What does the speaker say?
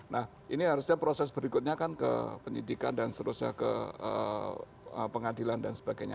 nah ini harusnya proses berikutnya kan ke penyidikan dan seterusnya ke pengadilan dan sebagainya